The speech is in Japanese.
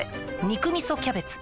「肉みそキャベツ」